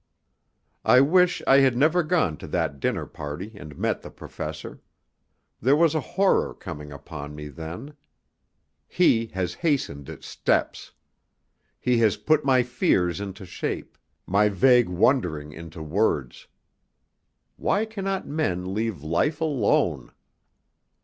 I wish I had never gone to that dinnerparty and met the Professor. There was a horror coming upon me then. He has hastened its steps. He has put my fears into shape, my vague wondering into words. Why cannot men leave life alone?